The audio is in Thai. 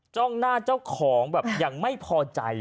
จ้องหน้าเจ้าของแบบอย่างไม่พอใจ